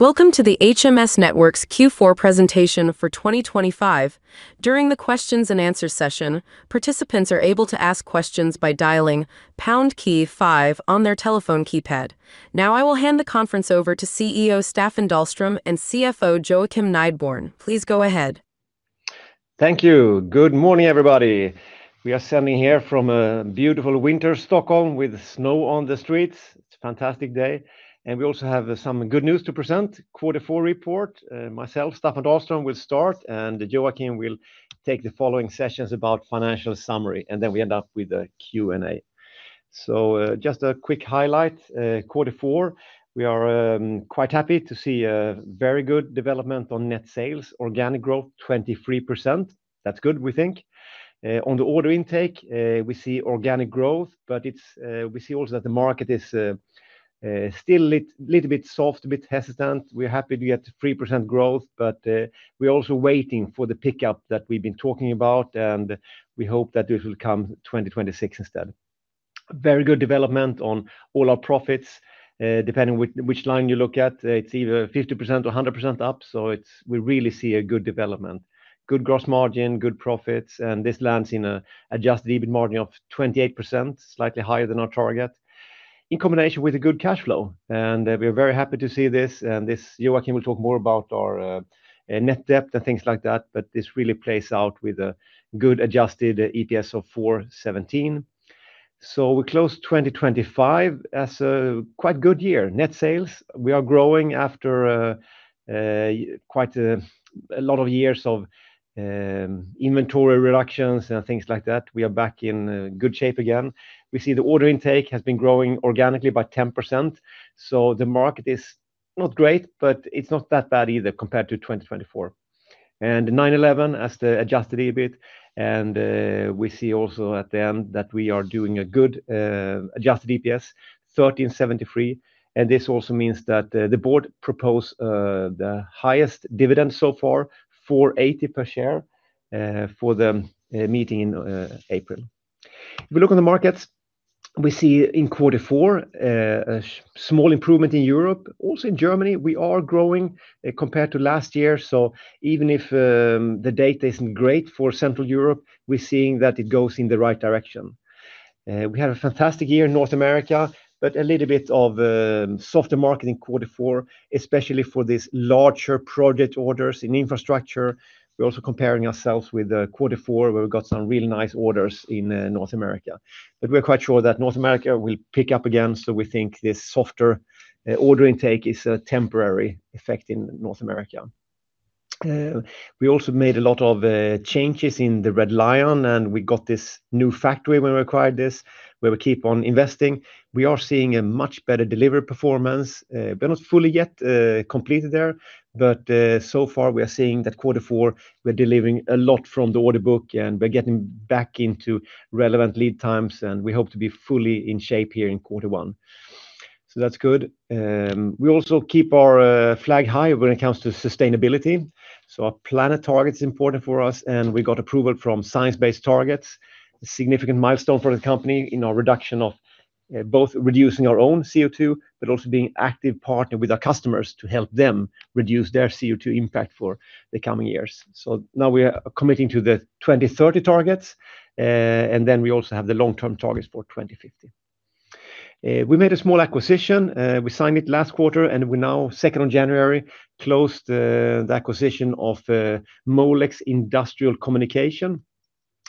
Welcome to the HMS Networks' Q4 Presentation for 2025. During the questions and answer session, participants are able to ask questions by dialing pound key five on their telephone keypad. Now, I will hand the conference over to CEO Staffan Dahlström and CFO Joakim Nideborn. Please go ahead. Thank you. Good morning, everybody. We are sending here from a beautiful winter Stockholm with snow on the streets. It's a fantastic day, and we also have some good news to present, quarter four report. Myself, Staffan Dahlström, will start, and Joakim will take the following sessions about financial summary, and then we end up with a Q&A. So, just a quick highlight, quarter four, we are quite happy to see a very good development on net sales, organic growth, 23%. That's good, we think. On the order intake, we see organic growth, but it's, we see also that the market is still a little bit soft, a bit hesitant. We're happy to get 3% growth, but, we're also waiting for the pickup that we've been talking about, and we hope that this will come 2026 instead. Very good development on all our profits. Depending which line you look at, it's either 50% or 100% up, so it's. We really see a good development. Good gross margin, good profits, and this lands in an adjusted EBIT margin of 28%, slightly higher than our target, in combination with a good cash flow. We are very happy to see this, and this Joakim will talk more about our net debt and things like that, but this really plays out with a good adjusted EPS of 4.17. So we closed 2025 as a quite good year. Net sales, we are growing after quite a lot of years of inventory reductions and things like that. We are back in good shape again. We see the order intake has been growing organically by 10%, so the market is not great, but it's not that bad either compared to 2024. 9.11% as the adjusted EBIT, and we see also at the end that we are doing a good adjusted EPS, 13.73, and this also means that the board propose the highest dividend so far, 4.80 per share, for the meeting in April. If we look on the markets, we see in quarter four a small improvement in Europe. Also, in Germany, we are growing compared to last year, so even if the data isn't great for Central Europe, we're seeing that it goes in the right direction. We had a fantastic year in North America, but a little bit of softer market in quarter four, especially for these larger project orders in infrastructure. We're also comparing ourselves with quarter four, where we got some really nice orders in North America. But we're quite sure that North America will pick up again, so we think this softer order intake is a temporary effect in North America. We also made a lot of changes in the Red Lion, and we got this new factory when we acquired this, where we keep on investing. We are seeing a much better delivery performance. We're not fully yet completed there, but so far, we are seeing that quarter four, we're delivering a lot from the order book, and we're getting back into relevant lead times, and we hope to be fully in shape here in quarter one. So that's good. We also keep our flag high when it comes to sustainability. So our planet target's important for us, and we got approval from Science Based Targets, a significant milestone for the company in our reduction of both reducing our own CO2, but also being active partner with our customers to help them reduce their CO2 impact for the coming years. So now we are committing to the 2030 targets, and then we also have the long-term targets for 2050. We made a small acquisition. We signed it last quarter, and we now, 2nd on January, closed the acquisition of Molex Industrial Communication,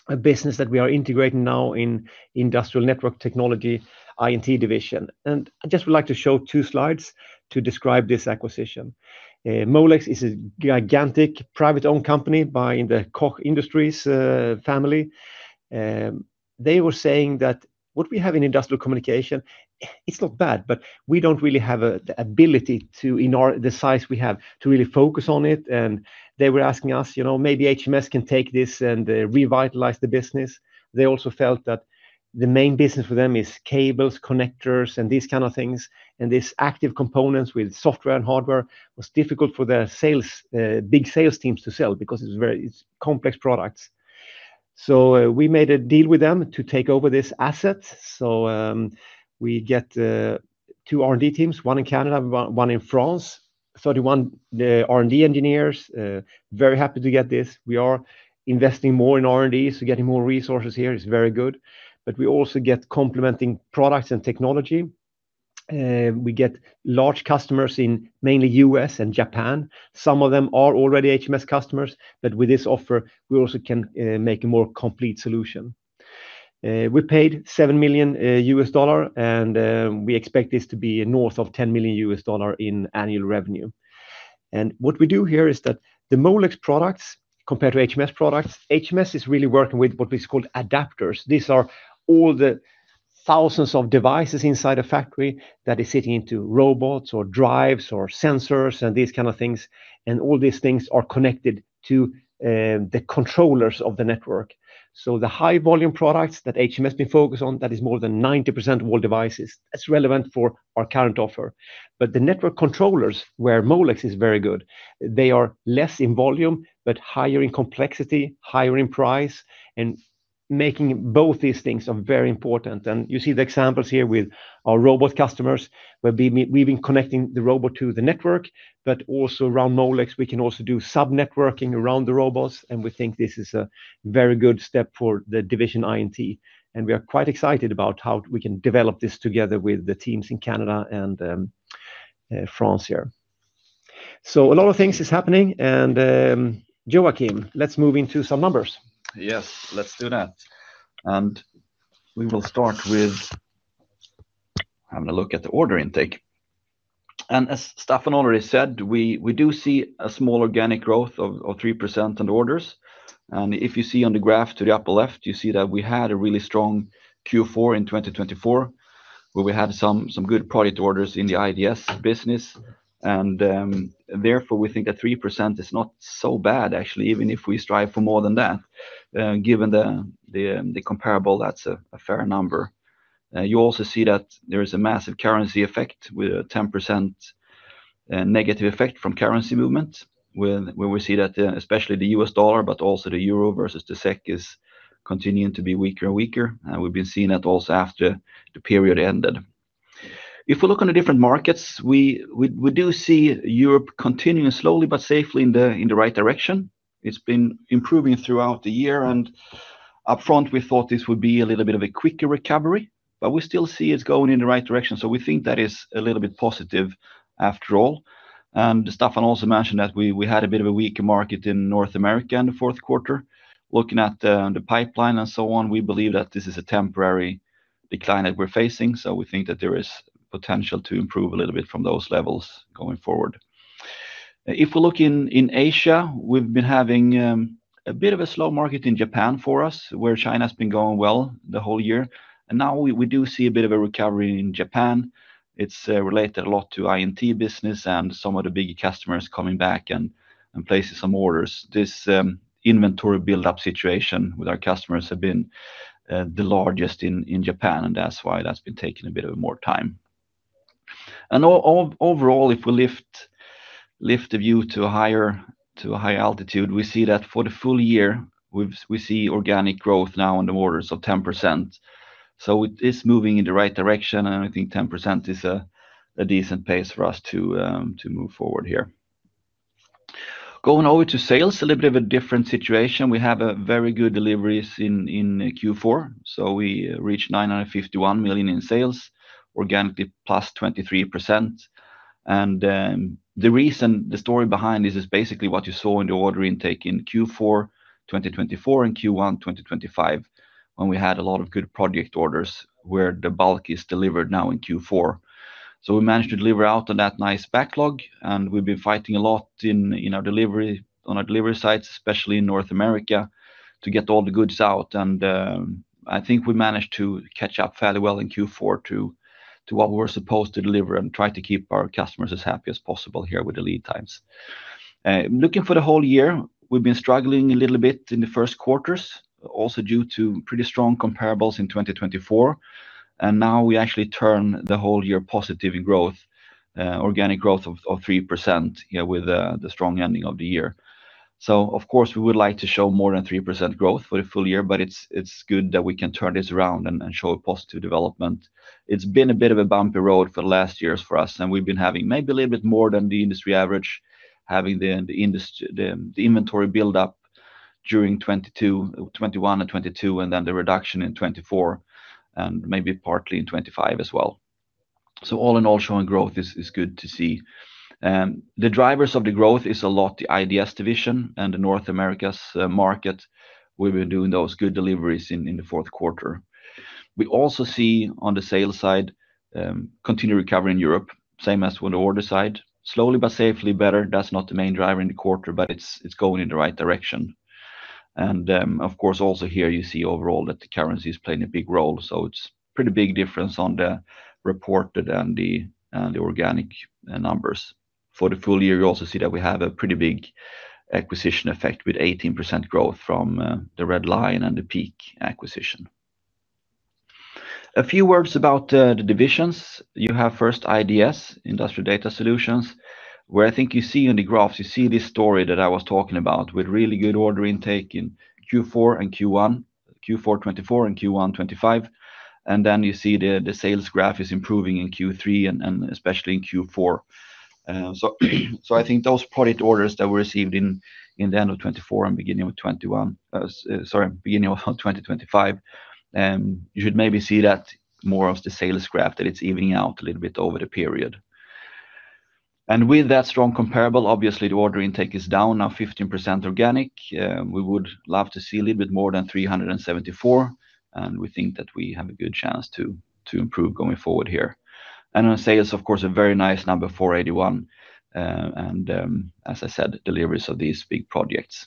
a business that we are integrating now in Industrial Network Technology, INT division. And I just would like to show two slides to describe this acquisition. Molex is a gigantic privately owned company by the Koch Industries family. They were saying that what we have in industrial communication, it's not bad, but we don't really have a, the ability to, in our, the size we have, to really focus on it. They were asking us, "You know, maybe HMS can take this and revitalize the business." They also felt that the main business for them is cables, connectors, and these kind of things, and these active components with software and hardware was difficult for their sales big sales teams to sell because it's very complex products. So, we made a deal with them to take over this asset. So, we get two R&D teams, one in Canada, one in France, 31 R&D engineers. Very happy to get this. We are investing more in R&D, so getting more resources here is very good. But we also get complementing products and technology. We get large customers in mainly US and Japan. Some of them are already HMS customers, but with this offer, we also can make a more complete solution. We paid $7 million, and we expect this to be north of $10 million in annual revenue. And what we do here is that the Molex products, compared to HMS products, HMS is really working with what is called adapters. These are all the thousands of devices inside a factory that is sitting into robots, or drives, or sensors, and these kind of things, and all these things are connected to the controllers of the network. So the high-volume products that HMS been focused on, that is more than 90% of all devices, that's relevant for our current offer. But the network controllers, where Molex is very good, they are less in volume, but higher in complexity, higher in price, and making both these things are very important. You see the examples here with our robot customers, where we, we've been connecting the robot to the network, but also around Molex, we can also do sub-networking around the robots, and we think this is a very good step for the division INT. We are quite excited about how we can develop this together with the teams in Canada and France here. A lot of things is happening, and Joakim, let's move into some numbers. Yes, let's do that. And we will start with having a look at the order intake. And as Staffan already said, we do see a small organic growth of 3% in orders. And if you see on the graph to the upper left, you see that we had a really strong Q4 in 2024, where we had some good project orders in the IDS business. And therefore, we think that 3% is not so bad, actually, even if we strive for more than that. Given the comparable, that's a fair number. You also see that there is a massive currency effect, with a 10%, negative effect from currency movement, where we see that, especially the US dollar, but also the euro versus the SEK is continuing to be weaker and weaker, and we've been seeing that also after the period ended. If we look on the different markets, we do see Europe continuing slowly but safely in the right direction. It's been improving throughout the year, and up front, we thought this would be a little bit of a quicker recovery, but we still see it's going in the right direction. So we think that is a little bit positive after all. And Staffan also mentioned that we had a bit of a weaker market in North America in the fourth quarter. Looking at the pipeline and so on, we believe that this is a temporary decline that we're facing, so we think that there is potential to improve a little bit from those levels going forward. If we look in Asia, we've been having a bit of a slow market in Japan for us, where China's been going well the whole year. And now we do see a bit of a recovery in Japan. It's related a lot to INT business and some of the bigger customers coming back and placing some orders. This inventory buildup situation with our customers have been the largest in Japan, and that's why that's been taking a bit of more time. And overall, if we lift the view to a higher, to a high altitude, we see that for the full year, we've--we see organic growth now on the orders of 10%. So it is moving in the right direction, and I think 10% is a, a decent pace for us to to move forward here. Going over to sales, a little bit of a different situation. We have a very good deliveries in Q4, so we reached 951 million in sales, organically +23%. And the reason, the story behind this is basically what you saw in the order intake in Q4 2024 and Q1 2025, when we had a lot of good project orders, where the bulk is delivered now in Q4. So we managed to deliver out on that nice backlog, and we've been fighting a lot in our delivery on our delivery sites, especially in North America, to get all the goods out. I think we managed to catch up fairly well in Q4 to what we were supposed to deliver and try to keep our customers as happy as possible here with the lead times. Looking for the whole year, we've been struggling a little bit in the first quarters, also due to pretty strong comparables in 2024, and now we actually turn the whole year positive in growth, organic growth of 3%, yeah, with the strong ending of the year. Of course, we would like to show more than 3% growth for the full year, but it's good that we can turn this around and show a positive development. It's been a bit of a bumpy road for the last years for us, and we've been having maybe a little bit more than the industry average, having the industry inventory build up during 2022, 2021 and 2022, and then the reduction in 2024, and maybe partly in 2025 as well. So all in all, showing growth is good to see. The drivers of the growth is a lot the IDS division and the North America market. We've been doing those good deliveries in the fourth quarter. We also see on the sales side, continued recovery in Europe, same as with the order side. Slowly but safely better, that's not the main driver in the quarter, but it's going in the right direction. Of course, also here you see overall that the currency is playing a big role, so it's pretty big difference on the reported and the organic numbers. For the full year, you also see that we have a pretty big acquisition effect with 18% growth from the Red Lion and the PEAK acquisition. A few words about the divisions. You have first, IDS, Industrial Data Solutions, where I think you see in the graphs, you see this story that I was talking about, with really good order intake in Q4 and Q1, Q4 2024 and Q1 2025. And then you see the sales graph is improving in Q3 and especially in Q4. So, I think those product orders that were received in the end of 2024 and beginning of 2025, you should maybe see that more of the sales graph, that it's evening out a little bit over the period. And with that strong comparable, obviously, the order intake is down now 15% organic. We would love to see a little bit more than 374, and we think that we have a good chance to improve going forward here. And on sales, of course, a very nice number, 481, and as I said, deliveries of these big projects.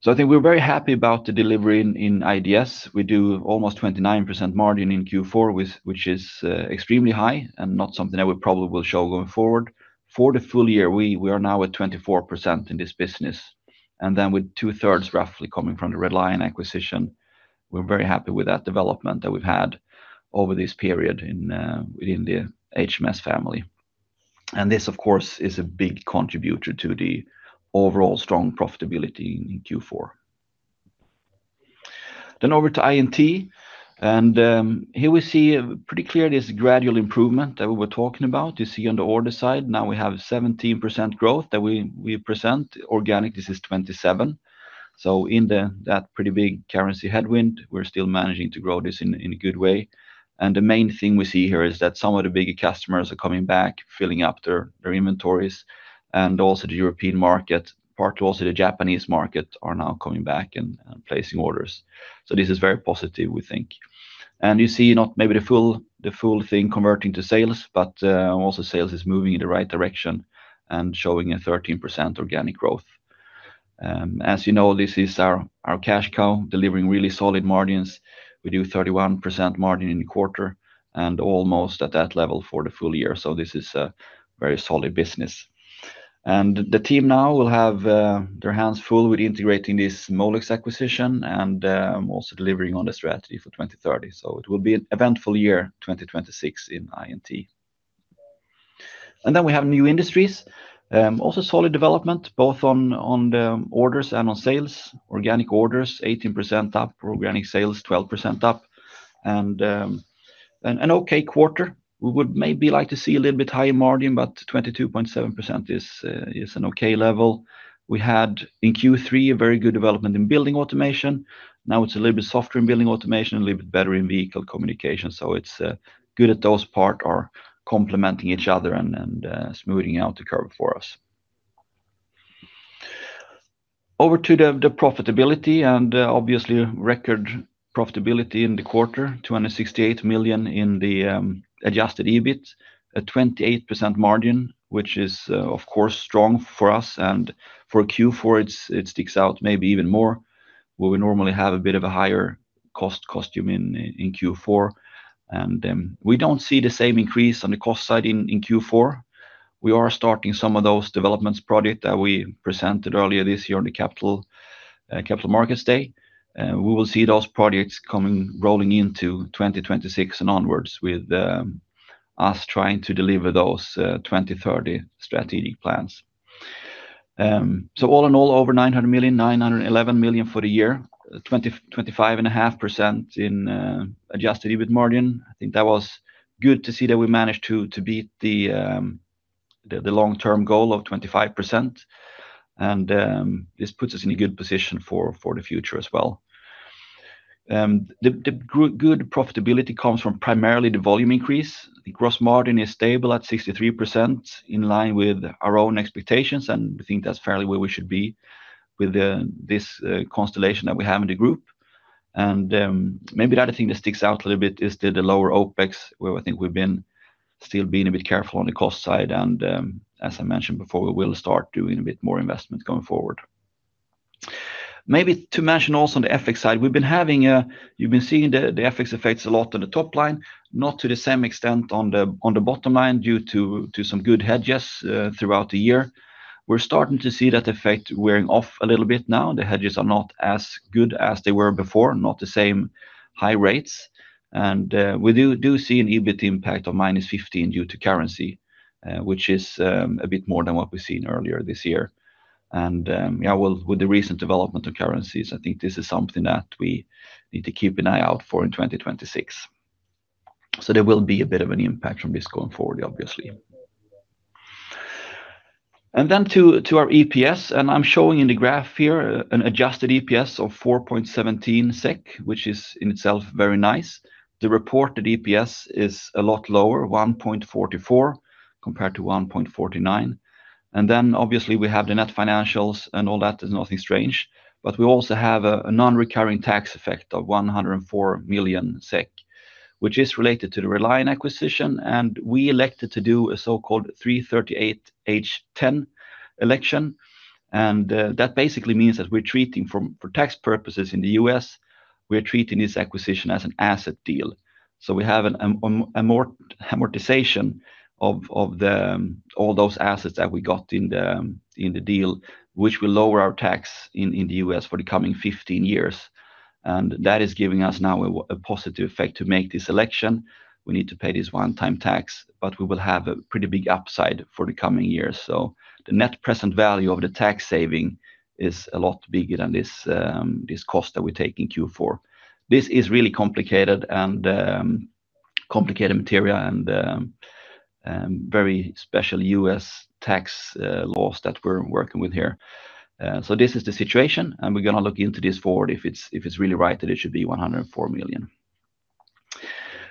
So I think we're very happy about the delivery in IDS. We do almost 29% margin in Q4, which is extremely high and not something that we probably will show going forward. For the full year, we are now at 24% in this business, and then with two-thirds, roughly, coming from the Red Lion acquisition, we're very happy with that development that we've had over this period within the HMS family. And this, of course, is a big contributor to the overall strong profitability in Q4. Then over to INT, and here we see pretty clearly this gradual improvement that we were talking about. You see on the order side, now we have 17% growth that we present. Organic, this is 27%. So in that pretty big currency headwind, we're still managing to grow this in a good way. The main thing we see here is that some of the bigger customers are coming back, filling up their inventories, and also the European market, part also the Japanese market, are now coming back and placing orders. So this is very positive, we think. And you see not maybe the full thing converting to sales, but also sales is moving in the right direction and showing a 13% organic growth. As you know, this is our cash cow, delivering really solid margins. We do 31% margin in the quarter, and almost at that level for the full year, so this is a very solid business. And the team now will have their hands full with integrating this Molex acquisition, and also delivering on the strategy for 2030. So it will be an eventful year, 2026, in INT. And then we have New Industries. Also solid development, both on the orders and on sales. Organic orders 18% up, organic sales 12% up, and an okay quarter. We would maybe like to see a little bit higher margin, but 22.7% is an okay level. We had, in Q3, a very good development in building automation. Now it's a little bit softer in building automation and a little bit better in vehicle communication, so it's good that those part are complementing each other and smoothing out the curve for us. Over to the profitability, and obviously, record profitability in the quarter, 268 million in the adjusted EBIT. A 28% margin, which is, of course, strong for us, and for Q4, it's, it sticks out maybe even more, where we normally have a bit of a higher cost structure in Q4. We don't see the same increase on the cost side in Q4. We are starting some of those development projects that we presented earlier this year on the Capital Markets Day. We will see those projects coming, rolling into 2026 and onwards with us trying to deliver those 2030 strategic plans. So all in all, over 900 million, 911 million for the year 2025 and 25.5% in adjusted EBIT margin. I think that was good to see that we managed to beat the long-term goal of 25%. This puts us in a good position for the future as well. Good profitability comes from primarily the volume increase. The gross margin is stable at 63%, in line with our own expectations, and we think that's fairly where we should be with this constellation that we have in the group. Maybe the other thing that sticks out a little bit is the lower OpEx, where I think we've been still being a bit careful on the cost side, and as I mentioned before, we will start doing a bit more investment going forward. Maybe to mention also on the FX side, we've been having a--you've been seeing the FX effects a lot on the top line, not to the same extent on the bottom line, due to some good hedges throughout the year. We're starting to see that effect wearing off a little bit now. The hedges are not as good as they were before, not the same high rates. And we do see an EBIT impact of -15 due to currency, which is a bit more than what we've seen earlier this year. And yeah, well, with the recent development of currencies, I think this is something that we need to keep an eye out for in 2026. So there will be a bit of an impact from this going forward, obviously. And then to our EPS, and I'm showing in the graph here an adjusted EPS of 4.17 SEK, which is in itself very nice. The reported EPS is a lot lower, 1.44, compared to 1.49. And then, obviously, we have the net financials and all that, there's nothing strange. But we also have a non-recurring tax effect of 104 million SEK, which is related to the Red Lion acquisition, and we elected to do a so-called 338(h)(10) election. And that basically means that we're treating for tax purposes in the U.S., we're treating this acquisition as an asset deal. So we have an amortization of all those assets that we got in the deal, which will lower our tax in the U.S. for the coming 15 years. That is giving us now a positive effect. To make this election, we need to pay this one-time tax, but we will have a pretty big upside for the coming years. So the net present value of the tax saving is a lot bigger than this cost that we take in Q4. This is really complicated and complicated material and very special U.S. tax laws that we're working with here. So this is the situation, and we're going to look into this forward if it's really right, that it should be $104 million.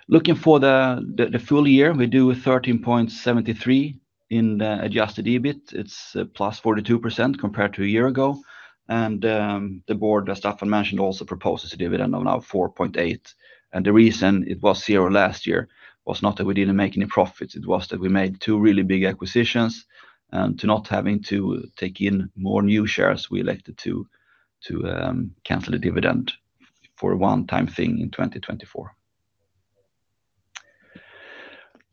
Looking for the full year, we do 13.73 in the adjusted EBIT. It's +42% compared to a year ago. And the board, as Staffan mentioned, also proposes a dividend of 4.8. And the reason it was zero last year was not that we didn't make any profits, it was that we made two really big acquisitions. And to not having to take in more new shares, we elected to cancel the dividend for a one-time thing in 2024.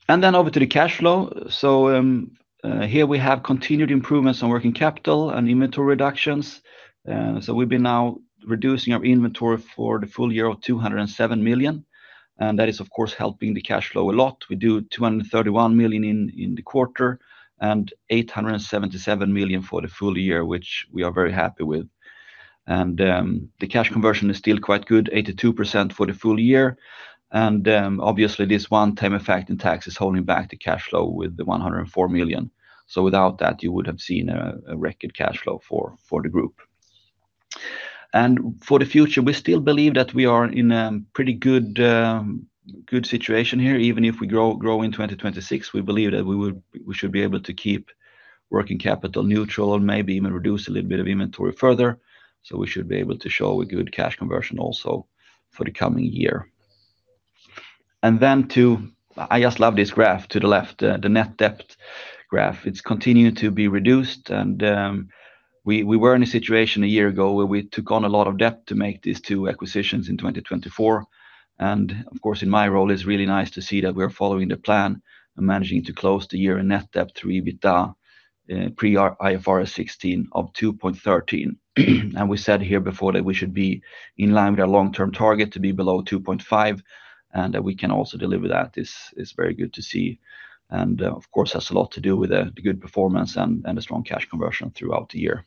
And then over to the cash flow. So here we have continued improvements on working capital and inventory reductions. So we've been now reducing our inventory for the full year of 207 million, and that is, of course, helping the cash flow a lot. We do 231 million in the quarter and 877 million for the full year, which we are very happy with. The cash conversion is still quite good, 82% for the full year. Obviously, this one-time effect in tax is holding back the cash flow with the 104 million. So without that, you would have seen a record cash flow for the group. For the future, we still believe that we are in a pretty good situation here. Even if we grow in 2026, we believe that we would, we should be able to keep working capital neutral and maybe even reduce a little bit of inventory further. So we should be able to show a good cash conversion also for the coming year. And then to--I just love this graph to the left, the net debt graph. It's continuing to be reduced, and we were in a situation a year ago where we took on a lot of debt to make these two acquisitions in 2024. And of course, in my role, it's really nice to see that we're following the plan and managing to close the year in net debt to EBITDA, pre our IFRS 16 of 2.13x. And we said here before that we should be in line with our long-term target to be below 2.5x, and that we can also deliver that. This is very good to see, and of course, has a lot to do with the good performance and the strong cash conversion throughout the year.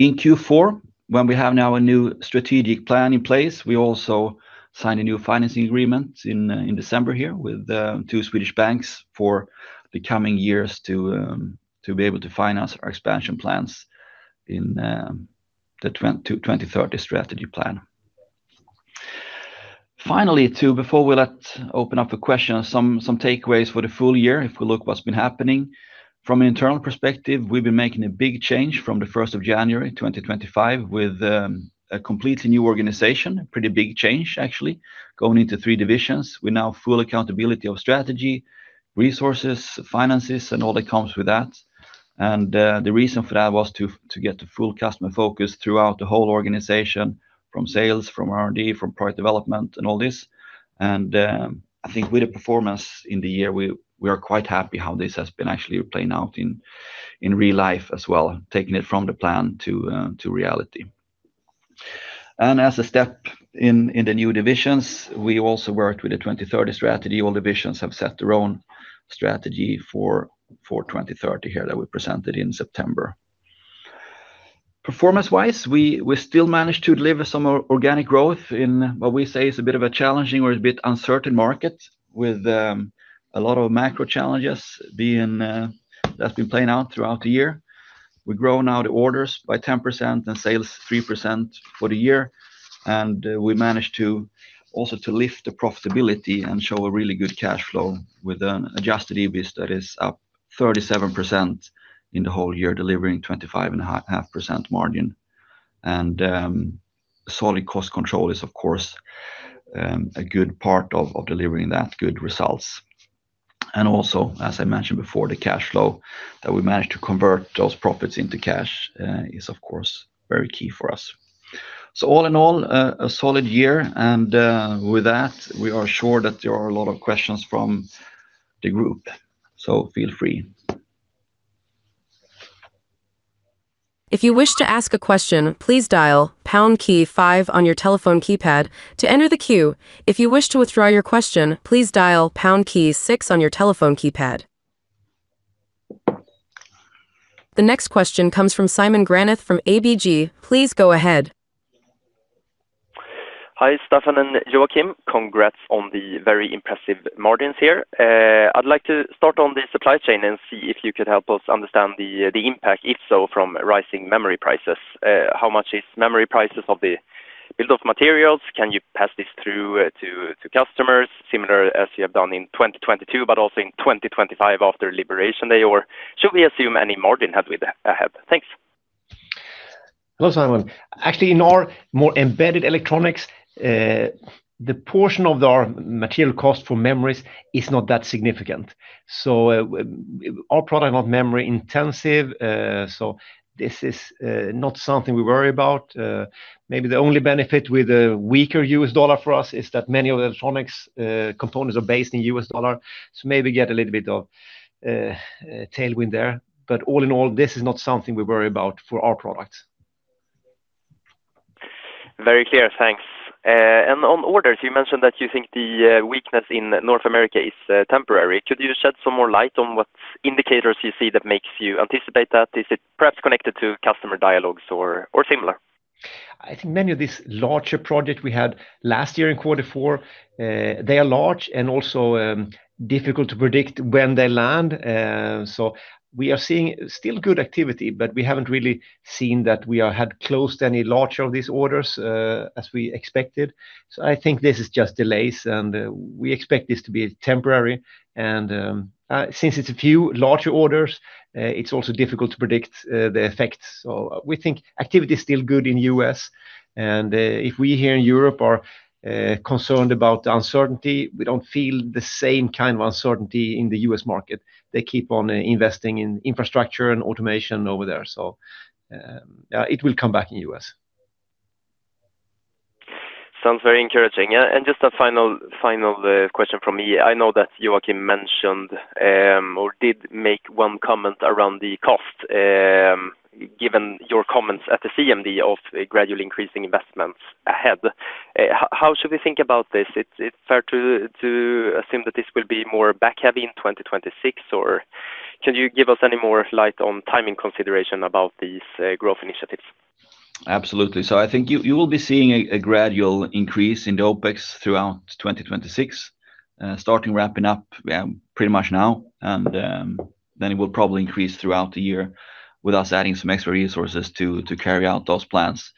In Q4, when we have now a new strategic plan in place, we also signed a new financing agreement in December here with two Swedish banks for the coming years to be able to finance our expansion plans in the 2030 strategy plan. Finally, too, before we let open up a question, some takeaways for the full year, if we look what's been happening. From an internal perspective, we've been making a big change from the first of January 2025, with a completely new organization, a pretty big change, actually, going into three divisions. We now have full accountability of strategy, resources, finances, and all that comes with that. And the reason for that was to get the full customer focus throughout the whole organization, from sales, from R&D, from product development, and all this. I think with the performance in the year, we are quite happy how this has been actually playing out in real life as well, taking it from the plan to to reality. As a step in the new divisions, we also worked with the 2030 strategy. All divisions have set their own strategy for 2030 here, that we presented in September. Performance-wise, we still managed to deliver some organic growth in what we say is a bit of a challenging or a bit uncertain market with a lot of macro challenges being, that's been playing out throughout the year. We've grown now the orders by 10% and sales 3% for the year, and we managed to also lift the profitability and show a really good cash flow with an adjusted EBIT that is up 37% in the whole year, delivering 25.5% margin. And solid cost control is, of course, a good part of delivering that good results. And also, as I mentioned before, the cash flow, that we managed to convert those profits into cash, is, of course, very key for us. So all in all, a solid year, and with that, we are sure that there are a lot of questions from the group, so feel free. If you wish to ask a question, please dial pound key five on your telephone keypad to enter the queue. If you wish to withdraw your question, please dial pound key six on your telephone keypad. The next question comes from Simon Granath from ABG. Please go ahead. Hi, Staffan and Joakim. Congrats on the very impressive margins here. I'd like to start on the supply chain and see if you could help us understand the, the impact, if so, from rising memory prices. How much is memory prices of the bill of materials? Can you pass this through, to, to customers, similar as you have done in 2022, but also in 2025 after Liberation Day? Or should we assume any margin headwind or help? Thanks. Hello, Simon. Actually, in our more embedded electronics, the portion of our material cost for memories is not that significant. So, our product, not memory intensive, so this is not something we worry about. Maybe the only benefit with a weaker U.S. dollar for us is that many of the electronics components are based in U.S. dollar, so maybe get a little bit of tailwind there. But all in all, this is not something we worry about for our products. Very clear. Thanks. And on orders, you mentioned that you think the weakness in North America is temporary. Could you shed some more light on what indicators you see that makes you anticipate that? Is it perhaps connected to customer dialogues or similar? I think many of these larger projects we had last year in quarter four, they are large and also, difficult to predict when they land. So we are seeing still good activity, but we haven't really seen that we are had closed any larger of these orders, as we expected. So I think this is just delays, and, we expect this to be temporary. And, since it's a few larger orders, it's also difficult to predict, the effects. So we think activity is still good in U.S. And, if we here in Europe are, concerned about the uncertainty, we don't feel the same kind of uncertainty in the U.S. market. They keep on, investing in infrastructure and automation over there. So, it will come back in the U.S. Sounds very encouraging. Yeah, and just a final, final question from me. I know that Joachim mentioned, or did make one comment around the cost, given your comments at the CMD of a gradually increasing investments ahead, how should we think about this? It's, it's fair to, to assume that this will be more back heavy in 2026, or can you give us any more light on timing consideration about these, growth initiatives? Absolutely. So I think you will be seeing a gradual increase in the OpEx throughout 2026, starting wrapping up, yeah, pretty much now. And then it will probably increase throughout the year with us adding some extra resources to carry out those plans.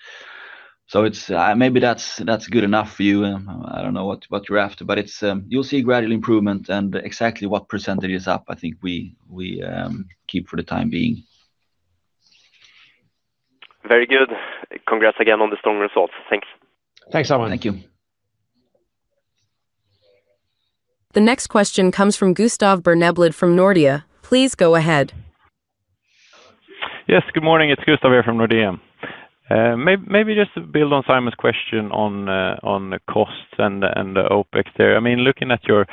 So it's maybe that's good enough for you. I don't know what you're after, but it's you'll see gradual improvement and exactly what percentage is up, I think we keep for the time being. Very good. Congrats again on the strong results. Thanks. Thanks, Simon. Thank you. The next question comes from Gustav Berneblad from Nordea. Please go ahead. Yes, good morning. It's Gustav here from Nordea. Maybe just to build on Simon's question on the costs and the OpEx there. I mean, looking at your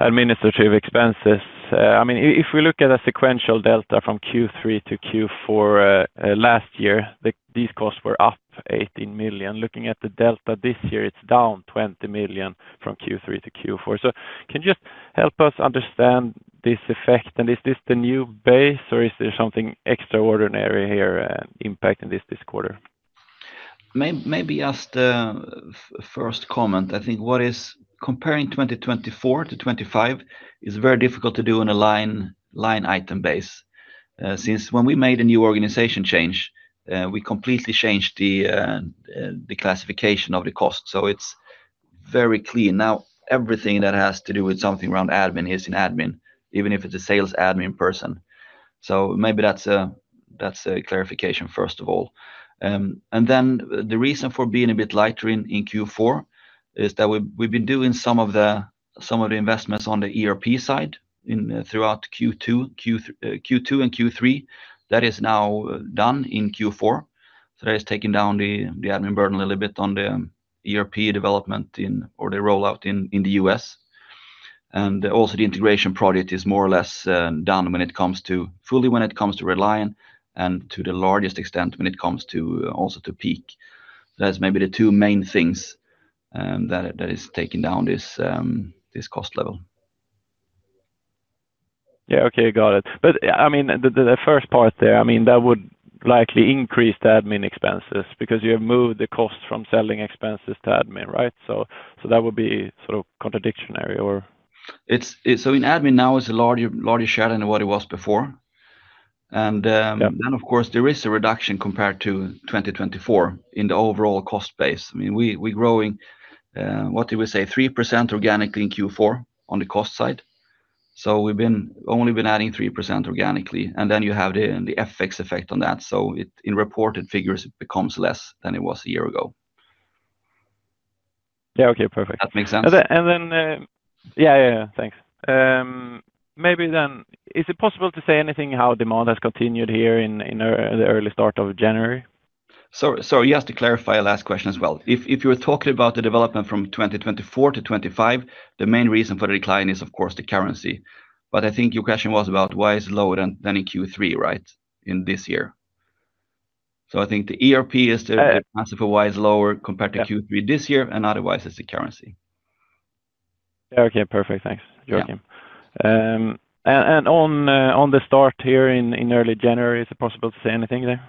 administrative expenses, I mean, if we look at a sequential delta from Q3 to Q4 last year, these costs were up 18 million. Looking at the delta this year, it's down 20 million from Q3 to Q4. So can you just help us understand this effect, and is this the new base, or is there something extraordinary here impacting this quarter? Maybe just first comment, I think what is comparing 2024 to 2025 is very difficult to do on a line, line item base. Since when we made a new organization change, we completely changed the classification of the cost, so it's very clear now everything that has to do with something around admin is in admin, even if it's a sales admin person. So maybe that's a clarification, first of all. And then the reason for being a bit lighter in Q4 is that we've been doing some of the investments on the ERP side throughout Q2 and Q3. That is now done in Q4. So that is taking down the admin burden a little bit on the ERP development in or the rollout in the U.S. And also, the integration project is more or less done when it comes to fully when it comes to Red Lion, and to the largest extent when it comes to also to PEAK. That's maybe the two main things that is taking down this cost level. Yeah, okay, got it. But I mean, the first part there, I mean, that would likely increase the admin expenses because you have moved the cost from selling expenses to admin, right? So that would be sort of contradictory or-- So in admin now, it's a larger, larger share than what it was before. And then, of course, there is a reduction compared to 2024 in the overall cost base. I mean, we, we growing, what do we say? 3% organically in Q4 on the cost side. So we've only been adding 3% organically, and then you have the FX effect on that. So it, in reported figures, it becomes less than it was a year ago. Yeah. Okay, perfect. That makes sense? Yeah. Thanks. Maybe then, is it possible to say anything how demand has continued here in the early start of January? So, just to clarify your last question as well. If you're talking about the development from 2024 to 2025, the main reason for the decline is, of course, the currency. But I think your question was about why it's lower than in Q3, right? In this year. So I think the ERP is the answer for why it's lower compared to Q3 this year, and otherwise, it's the currency. Yeah, okay, perfect. Thanks. Yeah. Joachim. On the start here in early January, is it possible to say anything there?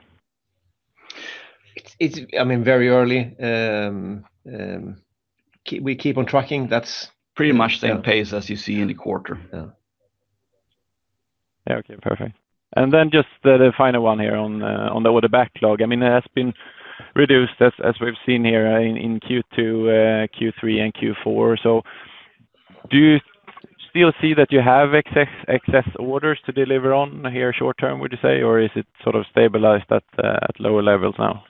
It's, I mean, very early. We keep on tracking. That's pretty much same pace as you see in the quarter. Yeah, okay. Perfect. And then just the final one here on the order backlog. I mean, it has been reduced as we've seen here in Q2, Q3, and Q4. So do you still see that you have excess orders to deliver on here short term, would you say, or is it sort of stabilized at lower levels now?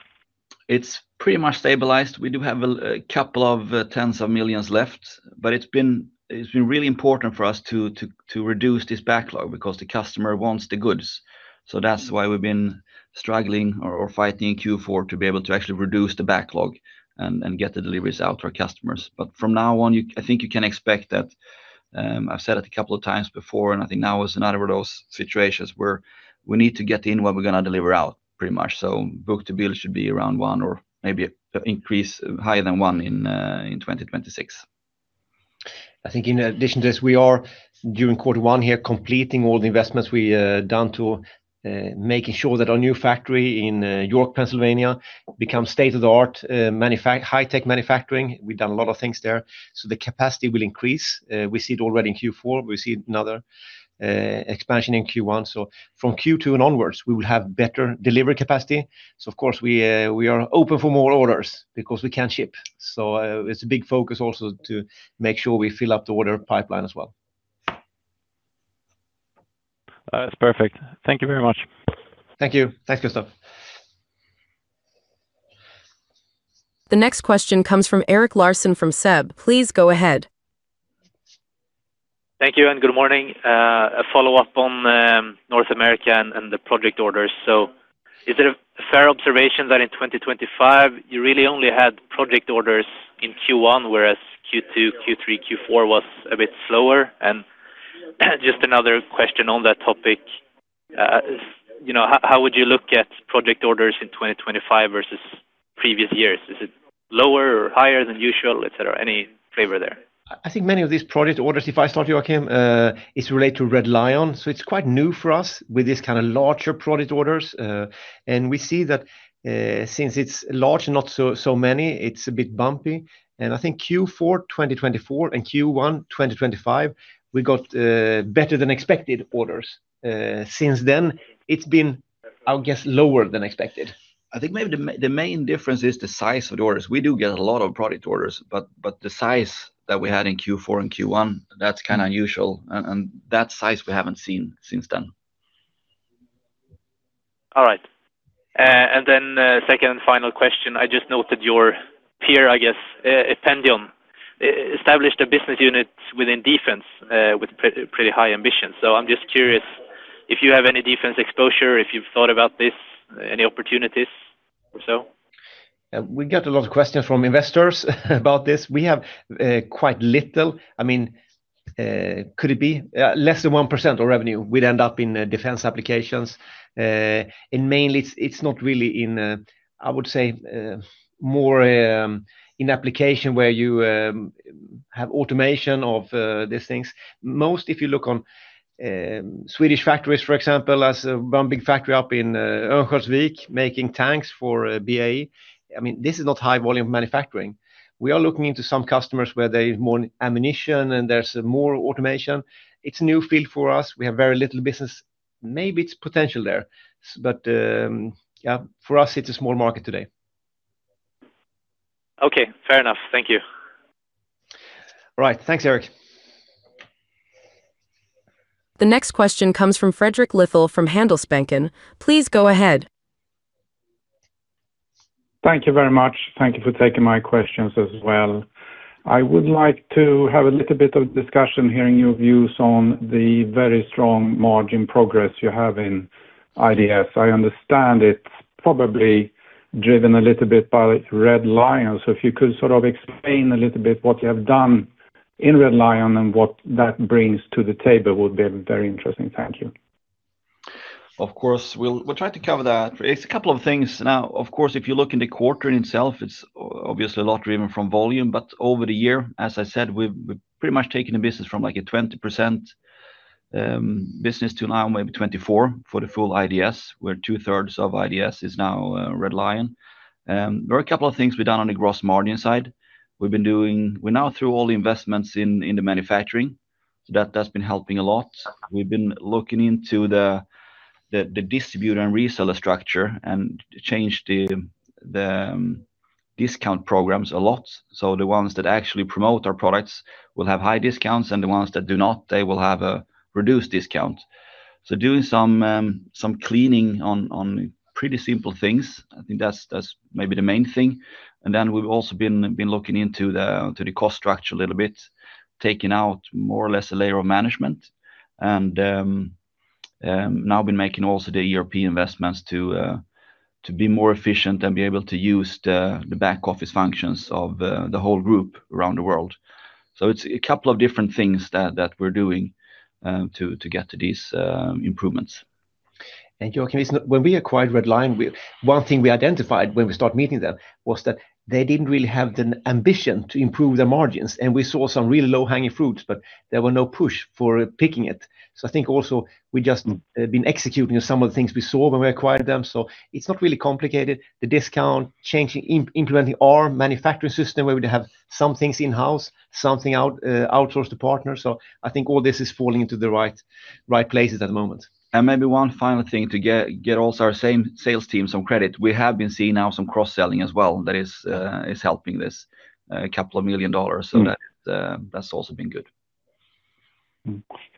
It's pretty much stabilized. We do have a couple of tens of millions left, but it's been, it's been really important for us to reduce this backlog because the customer wants the goods. So that's why we've been struggling or fighting in Q4 to be able to actually reduce the backlog and get the deliveries out to our customers. But from now on, you--I think you can expect that, I've said it a couple of times before, and I think now is another of those situations where we need to get in what we're going to deliver out, pretty much. So book-to-bill should be around 1x or maybe increase higher than 1x in 2026. I think in addition to this, we are, during quarter one here, completing all the investments we done to making sure that our new factory in York, Pennsylvania, becomes state-of-the-art high-tech manufacturing. We've done a lot of things there, so the capacity will increase. We see it already in Q4. We see another expansion in Q1. So from Q2 and onwards, we will have better delivery capacity. So of course, we are open for more orders because we can't ship. So it's a big focus also to make sure we fill up the order pipeline as well. That's perfect. Thank you very much. Thank you. Thanks, Gustav. The next question comes from Erik Larsson from SEB. Please go ahead. Thank you and good morning. A follow-up on North America and the project orders. So is it a fair observation that in 2025, you really only had project orders in Q1, whereas Q2, Q3, Q4 was a bit slower? And just another question on that topic. You know, how would you look at project orders in 2025 versus previous years? Is it lower or higher than usual, et cetera? Any flavor there? I think many of these project orders, if I start, Joakim, is related to Red Lion. So it's quite new for us with this kind of larger project orders. And we see that, since it's large, not so, so many, it's a bit bumpy. And I think Q4 2024 and Q1 2025, we got, better than expected orders. Since then, it's been, I'll guess, lower than expected. I think maybe the main difference is the size of the orders. We do get a lot of product orders, but the size that we had in Q4 and Q1, that's kind of unusual, and that size we haven't seen since then. All right. And then, second and final question: I just noted your peer, I guess, Ependion, established a business unit within defense, with pretty high ambitions. So I'm just curious if you have any defense exposure, if you've thought about this, any opportunities or so? We get a lot of questions from investors about this. We have quite little. I mean, could it be less than 1% of revenue would end up in defense applications. And mainly, it's not really in, I would say, more in application where you have automation of these things. Most, if you look on Swedish factories, for example, as one big factory up in Örnsköldsvik, making tanks for BAE. I mean, this is not high volume manufacturing. We are looking into some customers where there is more ammunition and there's more automation. It's a new field for us. We have very little business. Maybe it's potential there, but yeah, for us, it's a small market today. Okay, fair enough. Thank you. All right. Thanks, Erik. The next question comes from Fredrik Lithell, from Handelsbanken. Please go ahead. Thank you very much. Thank you for taking my questions as well. I would like to have a little bit of discussion, hearing your views on the very strong margin progress you have in IDS. I understand it's probably driven a little bit by Red Lion. So if you could sort of explain a little bit what you have done in Red Lion and what that brings to the table would be very interesting. Thank you. Of course, we'll try to cover that. It's a couple of things. Now, of course, if you look in the quarter in itself, it's obviously a lot driven from volume, but over the year, as I said, we've pretty much taken the business from, like, a 20% business to now maybe 24% for the full IDS, where 2/3 of IDS is now Red Lion. There are a couple of things we've done on the gross margin side. We've been doing. We're now through all the investments in the manufacturing, so that's been helping a lot. We've been looking into the distributor and reseller structure and changed the discount programs a lot. So the ones that actually promote our products will have high discounts, and the ones that do not, they will have a reduced discount. So doing some cleaning on pretty simple things, I think that's maybe the main thing. And then we've also been looking into the cost structure a little bit, taking out more or less a layer of management, and now been making also the European investments to be more efficient and be able to use the back office functions of the whole group around the world. So it's a couple of different things that we're doing to get to these improvements. Joakim, when we acquired Red Lion, we, one thing we identified when we start meeting them was that they didn't really have the ambition to improve their margins, and we saw some really low-hanging fruits, but there were no push for picking it. So I think also we just been executing on some of the things we saw when we acquired them, so it's not really complicated. The discount, changing, implementing our manufacturing system, where we'd have some things in-house, something out, outsourced to partners. So I think all this is falling into the right, right places at the moment. Maybe one final thing to get also our same sales team some credit. We have been seeing now some cross-selling as well. That is helping this couple of million dollars, so that, that's also been good.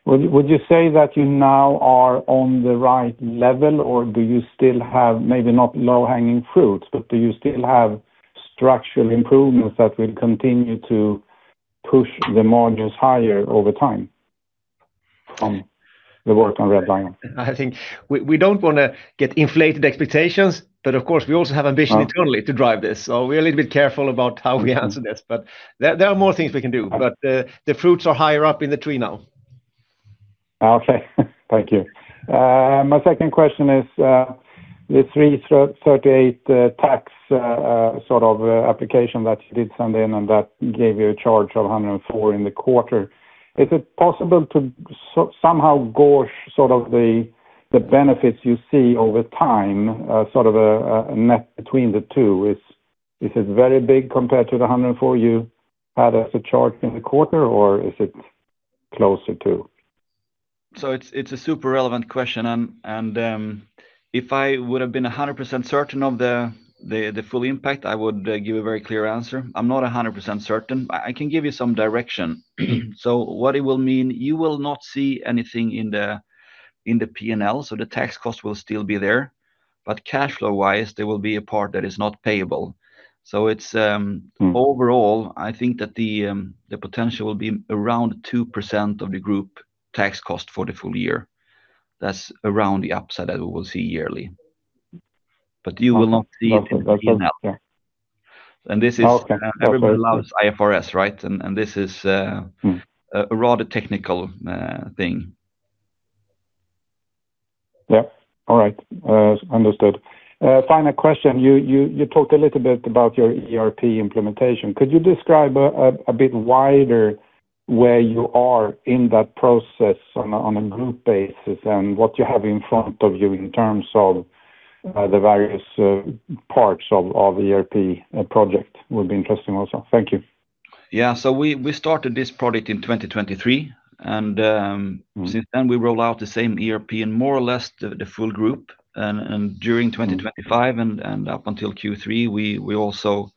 Would you say that you now are on the right level, or do you still have, maybe not low-hanging fruits, but do you still have structural improvements that will continue to push the margins higher over time from the work on Red Lion? I think we don't want to get inflated expectations, but of course, we also have ambition internally to drive this, so we're a little bit careful about how we answer this, but there are more things we can do. But the fruits are higher up in the tree now. Okay, thank you. My second question is, the 338 tax sort of application that you did send in, and that gave you a charge of 104 million in the quarter. Is it possible to somehow gauge sort of the benefits you see over time, sort of a net between the two? Is it very big compared to the 104 million you had as a charge in the quarter, or is it closer to? So it's a super relevant question, and if I would have been 100% certain of the full impact, I would give a very clear answer. I'm not 100% certain. I can give you some direction. So what it will mean, you will not see anything in the P&L, so the tax cost will still be there, but cash flow-wise, there will be a part that is not payable. So it's. Overall, I think that the potential will be around 2% of the group tax cost for the full year. That's around the upside that we will see yearly. But you will not see it in the email. Okay. This is everybody loves IFRS, right? And this is a rather technical thing. Yeah. All right, understood. Final question. You talked a little bit about your ERP implementation. Could you describe a bit wider where you are in that process on a group basis, and what you have in front of you in terms of the various parts of ERP project? It would be interesting also. Thank you. Yeah. So we, we started this project in 2023, and since then we rolled out the same ERP in more or less the full group. And during 2025 and up until Q3, we also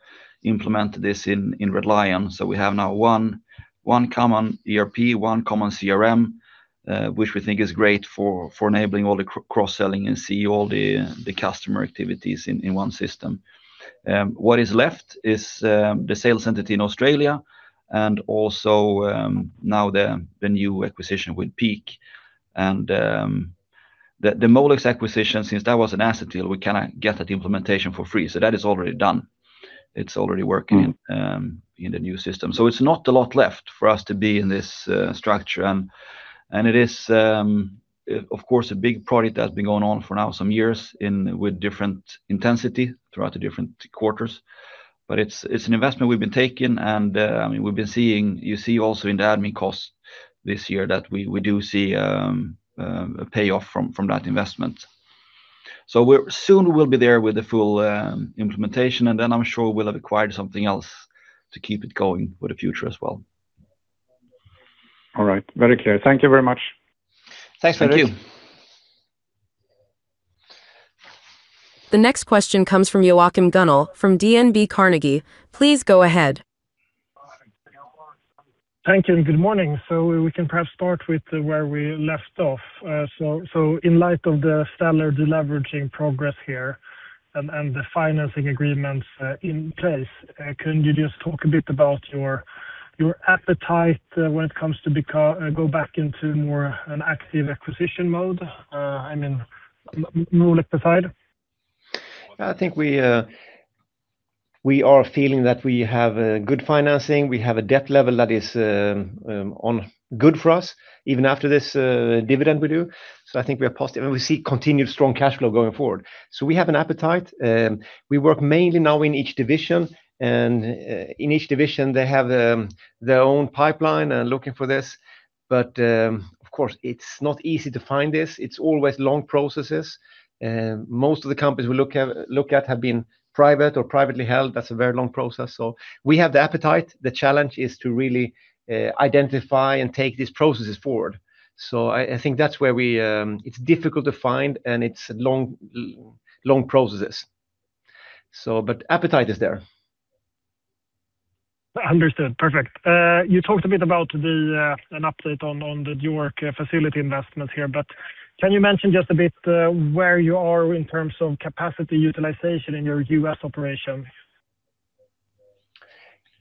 implemented this in Red Lion. So we have now one common ERP, one common CRM, which we think is great for enabling all the cross-selling and see all the customer activities in one system. What is left is the sales entity in Australia, and also now the new acquisition with PEAK. And the Molex acquisition, since that was an asset deal, we kinda get that implementation for free. So that is already done. It's already working in the new system. So it's not a lot left for us to be in this structure. And it is, of course, a big project that's been going on for now some years in with different intensity throughout the different quarters. But it's an investment we've been taking, and I mean, we've been seeing--you see also in the admin costs this year that we do see a payoff from that investment. So soon we'll be there with the full implementation, and then I'm sure we'll have acquired something else to keep it going for the future as well. All right. Very clear. Thank you very much. Thanks. Thank you. Thank you. The next question comes from Joachim Gunell, from DNB Carnegie. Please go ahead. Thank you, and good morning. So we can perhaps start with where we left off. In light of the stellar deleveraging progress here and the financing agreements in place, can you just talk a bit about your appetite when it comes to go back into more an active acquisition mode? I mean, Molex aside. I think we are feeling that we have a good financing. We have a debt level that is on good for us, even after this dividend we do. So I think we are positive, and we see continued strong cash flow going forward. So we have an appetite. We work mainly now in each division, and in each division, they have their own pipeline looking for this. But of course, it's not easy to find this. It's always long processes. Most of the companies we look at have been private or privately held. That's a very long process. So we have the appetite. The challenge is to really identify and take these processes forward. So I think that's where we--It's difficult to find, and it's long processes. So, but appetite is there. Understood. Perfect. You talked a bit about an update on the new York facility investment here, but can you mention just a bit where you are in terms of capacity utilization in your U.S. operations?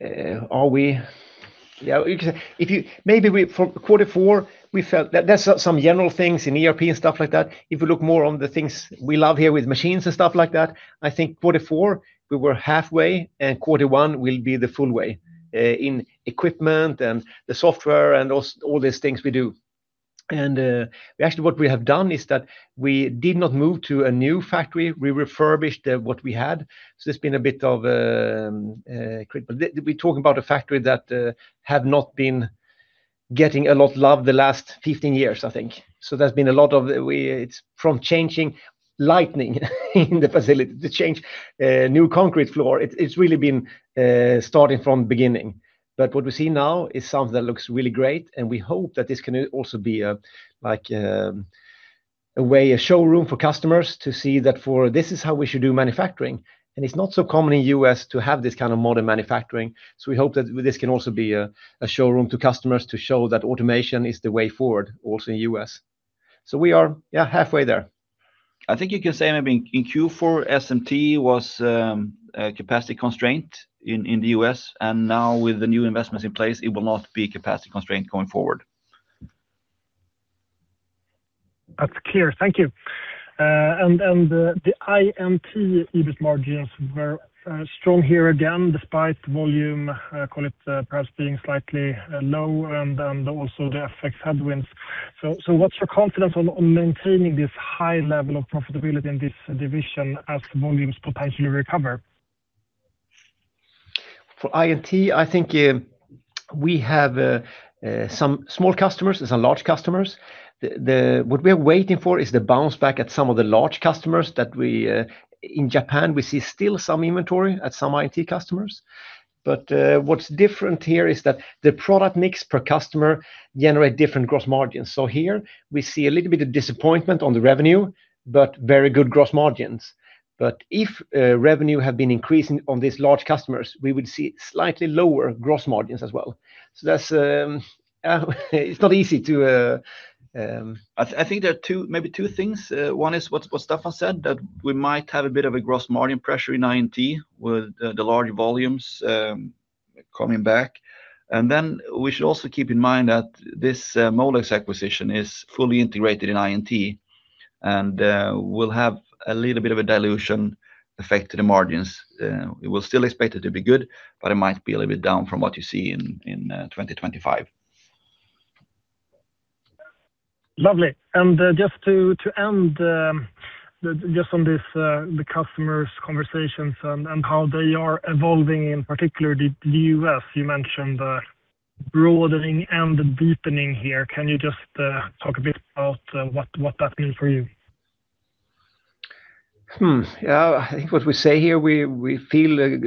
Yeah, you can- if you- maybe we for quarter four, we felt that there's some general things in ERP and stuff like that. If you look more on the things we love here with machines and stuff like that, I think quarter four, we were halfway, and quarter one will be the full way, in equipment and the software and all these things we do. And actually, what we have done is that we did not move to a new factory. We refurbished what we had. So it's been a bit of. We're talking about a factory that have not been getting a lot of love the last 15 years, I think. So there's been a lot of it's from changing lighting in the facility, to change new concrete floor. It's really been starting from the beginning. But what we see now is something that looks really great, and we hope that this can also be a, like, a way, a showroom for customers to see that for this is how we should do manufacturing. And it's not so common in U.S. to have this kind of modern manufacturing. So we hope that this can also be a, a showroom to customers to show that automation is the way forward, also in U.S. So we are, yeah, halfway there. I think you can say maybe in Q4, SMT was a capacity constraint in the U.S., and now with the new investments in place, it will not be capacity constraint going forward. That's clear. Thank you. And the INT EBIT margins were strong here again, despite volume, call it, perhaps being slightly low and also the FX headwinds. So what's your confidence on maintaining this high level of profitability in this division as volumes potentially recover? For INT, I think we have some small customers and some large customers. What we are waiting for is the bounce back at some of the large customers that we--In Japan, we see still some inventory at some INT customers. But what's different here is that the product mix per customer generate different gross margins. So here we see a little bit of disappointment on the revenue, but very good gross margins. But if revenue had been increasing on these large customers, we would see slightly lower gross margins as well. So that's it's not easy-- I think there are two, maybe two things. One is what Staffan said, that we might have a bit of a gross margin pressure in INT with the larger volumes coming back. And then we should also keep in mind that this Molex acquisition is fully integrated in INT, and will have a little bit of a dilution effect to the margins. We will still expect it to be good, but it might be a little bit down from what you see in 2025. Lovely. Just to end, just on this, the customers' conversations and how they are evolving, in particular, the U.S., you mentioned the broadening and the deepening here. Can you just talk a bit about what that means for you? Yeah, I think what we say here, we feel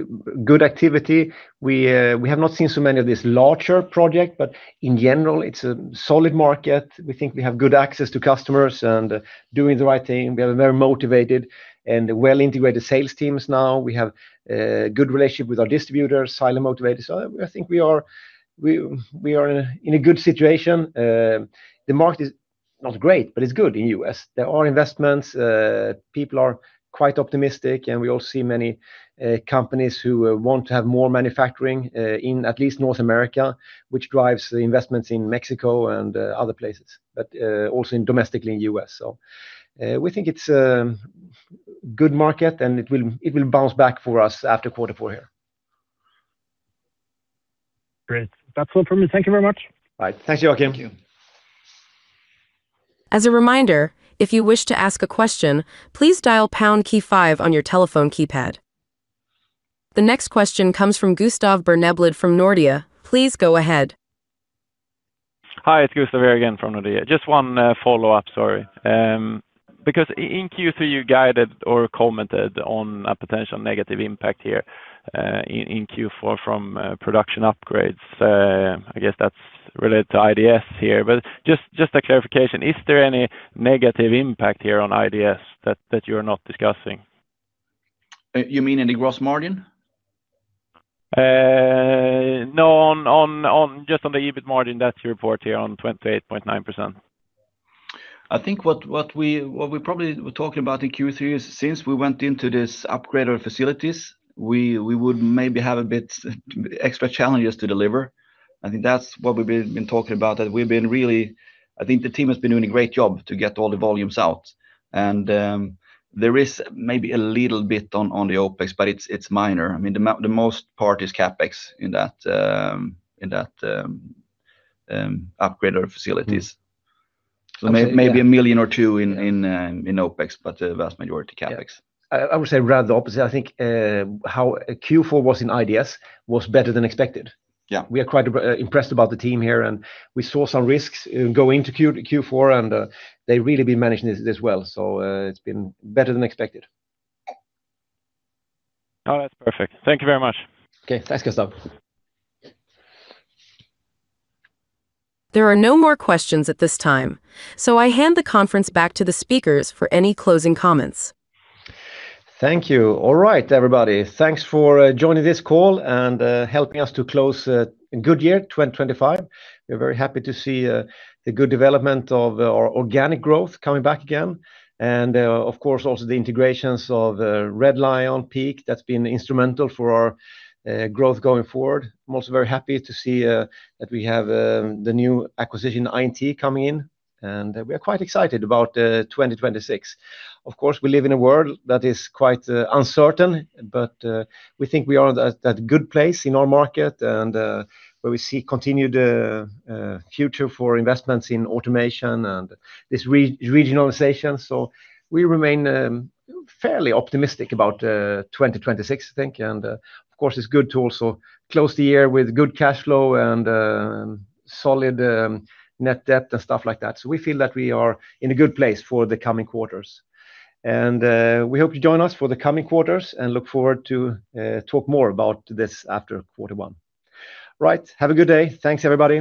good activity. We have not seen so many of this larger project, but in general, it's a solid market. We think we have good access to customers and doing the right thing. We have a very motivated and well-integrated sales teams now. We have good relationship with our distributors, highly motivated, so I think we are in a good situation. The market is not great, but it's good in U.S. There are investments, people are quite optimistic, and we also see many companies who want to have more manufacturing in at least North America, which drives the investments in Mexico and other places, but also domestically in U.S. So, we think it's good market, and it will, it will bounce back for us after quarter four here. Great. That's all from me. Thank you very much. Bye. Thank you, Joachim. Thank you. As a reminder, if you wish to ask a question, please dial pound key five on your telephone keypad. The next question comes from Gustav Berneblad from Nordea. Please go ahead. Hi, it's Gustav again from Nordea. Just one follow-up story. Because in Q3, you guided or commented on a potential negative impact here in Q4 from production upgrades. I guess that's related to IDS here, but just a clarification, is there any negative impact here on IDS that you're not discussing? You mean in the gross margin? No, just on the EBIT margin, that's your report here on 28.9%. I think what we probably were talking about in Q3 is, since we went into this upgrade our facilities, we would maybe have a bit extra challenges to deliver. I think that's what we've been talking about, that we've been really--I think the team has been doing a great job to get all the volumes out. And there is maybe a little bit on the OpEx, but it's minor. I mean, the most part is CapEx in that upgrade our facilities. So maybe 1 million or 2 million in OpEx, but the vast majority, CapEx. I would say rather the opposite. I think, how Q4 was in IDS was better than expected. Yeah. We are quite impressed about the team here, and we saw some risks in going to Q4, and they've really been managing this well. So, it's been better than expected. Oh, that's perfect. Thank you very much. Okay. Thanks, Gustav. There are no more questions at this time, so I hand the conference back to the speakers for any closing comments. Thank you. All right, everybody. Thanks for joining this call and helping us to close a good year, 2025. We're very happy to see the good development of our organic growth coming back again, and of course, also the integrations of Red Lion, PEAK. That's been instrumental for our growth going forward. I'm also very happy to see that we have the new acquisition, INT, coming in, and we are quite excited about 2026. Of course, we live in a world that is quite uncertain, but we think we are at that good place in our market and where we see continued future for investments in automation and this re-regionalization. So we remain fairly optimistic about 2026, I think. Of course, it's good to also close the year with good cash flow and solid net debt and stuff like that. So we feel that we are in a good place for the coming quarters. We hope you join us for the coming quarters and look forward to talk more about this after quarter one. Right, have a good day. Thanks, everybody.